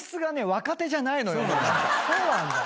そうなんだよ。